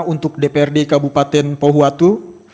untuk dprd kabupaten pohuwatu